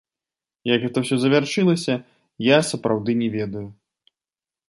Як гэта ўсё завяршылася, я, сапраўды, не ведаю.